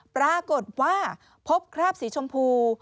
ปรากฏว่าพบคราบสีชมพู